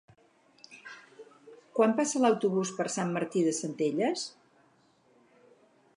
Quan passa l'autobús per Sant Martí de Centelles?